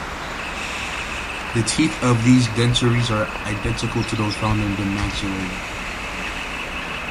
The teeth of these dentaries are identical to those found on the maxillae.